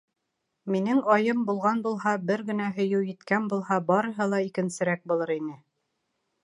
Минең Айым булған булһа, бер генә һөйөү еткән булһа, барыһы ла икенсерәк булыр ине.